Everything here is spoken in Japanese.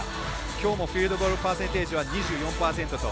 きょうもフィールドゴールパーセンテージは２４％と。